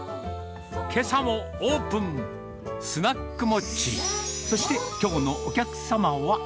けさもオープン、スナックモッチー、そしてきょうのお客様は。